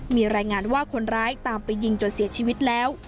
มีรายงานว่าคนร้ายตามไปยิงจนเสียชีวิตแล้ว